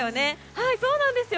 はい、そうなんですよ。